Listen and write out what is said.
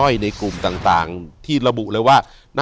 อยู่ที่แม่ศรีวิรัยิลครับ